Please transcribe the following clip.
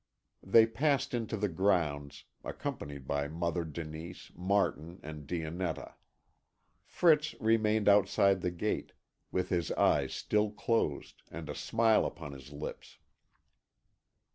They passed into the grounds, accompanied by Mother Denise, Martin, and Dionetta. Fritz remained outside the gate, with his eyes still closed, and a smile upon his lips.